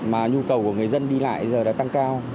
mà nhu cầu của người dân đi lại giờ đã tăng cao